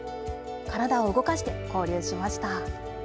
体を動かして交流しました。